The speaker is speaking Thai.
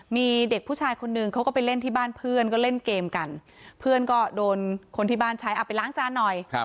มีเด็กผู้ชายคนนึงเขาก็ไปเล่นที่บ้านเพื่อนก็เล่นเกมกันเพื่อนก็โดนคนที่บ้านใช้เอาไปล้างจานหน่อย